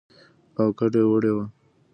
او کډه يې وړې وه.